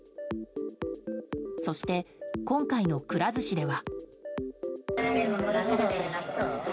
そして、今回のくら寿司では。